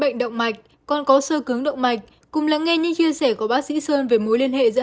bệnh động mạch còn có sơ cứng động mạch cùng lắng nghe những chia sẻ của bác sĩ sơn về mối liên hệ giữa